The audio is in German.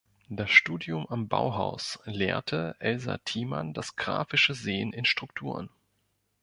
Das Studium am Bauhaus lehrte Elsa Thiemann das grafische Sehen in Strukturen.